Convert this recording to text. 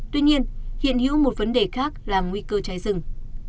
tuy nhiên hiện hữu một vấn đề khác là nguy cơ cháy rừng